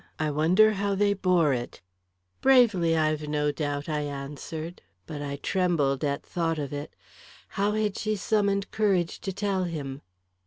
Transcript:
I wonder how they bore it?" "Bravely, I've no doubt," I answered, but I trembled at thought of it. How had she summoned courage to tell him?